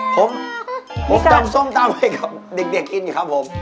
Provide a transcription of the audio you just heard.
ผมจำส้มตำให้เด็กกินครับผม